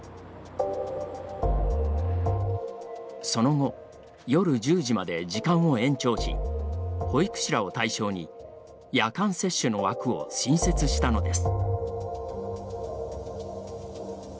その後夜１０時まで時間を延長し保育士らを対象に夜間接種の枠を新設したのです。